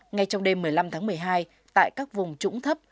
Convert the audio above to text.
ngay trong đêm một mươi năm tháng một mươi hai tại các vùng trũng thấp